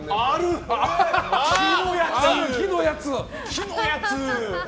木のやつ！